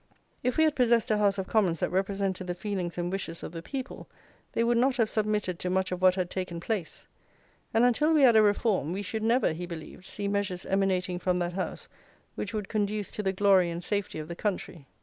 If we had possessed a House of Commons that represented the feelings and wishes of the people, they would not have submitted to much of what had taken place; and until we had a reform we should never, he believed, see measures emanating from that House which would conduce to the glory and safety of the country.